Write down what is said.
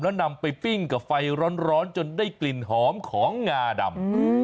แล้วนำไปปิ้งกับไฟร้อนจนได้กลิ่นหอมของงาดำ